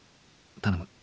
頼む。